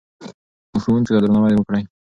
ښوونکو ته درناوی وکړئ.